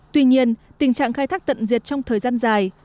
tuy nhiên tình trạng khai thác tận diệt trong thời gian dài